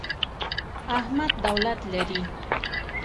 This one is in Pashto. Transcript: احمد دولت لري.